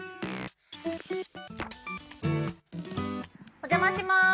お邪魔します！